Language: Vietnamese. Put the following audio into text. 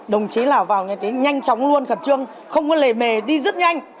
đồng chí nào vào nhanh chóng luôn khẩn trương không có lề mề đi rất nhanh